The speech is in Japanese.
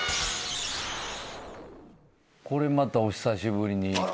これまたお久しぶりに。